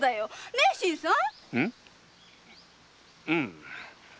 ね新さん。